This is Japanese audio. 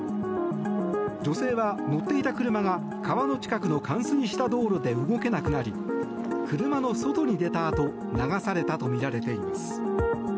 女性は、乗っていた車が川の近くの冠水した道路で動けなくなり車の外に出たあと流されたとみられています。